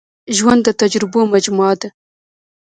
ژوند د تجربو مجموعه ده.